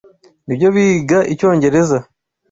Nibyo biga Icyongereza.